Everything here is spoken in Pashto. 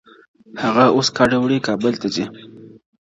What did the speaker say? هــغــه اوس كـــډه وړي كابــل تــه ځــــــي.